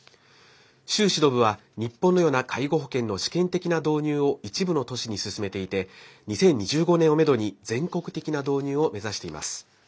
習指導部は、日本のような介護保険の試験的な導入を一部の都市に進めていて２０２５年をめどに全国的な導入を目指しています。